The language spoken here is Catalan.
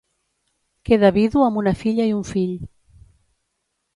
Queda vidu amb una filla i un fill.